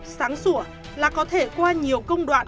sáng sủa là có thể qua nhiều công đoạn